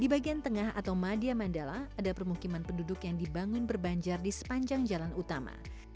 di bagian tengah atau madia mandala ada permukiman penduduk yang dibangun berbanjar di sepanjang jalan utama